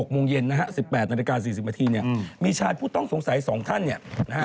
โมงเย็นนะฮะ๑๘นาฬิกา๔๐นาทีเนี่ยมีชายผู้ต้องสงสัย๒ท่านเนี่ยนะฮะ